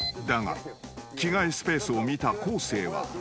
［だが着替えスペースを見た昴生は］